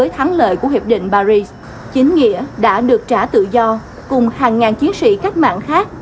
thắng lợi của hiệp định paris chính nghĩa đã được trả tự do cùng hàng ngàn chiến sĩ cách mạng khác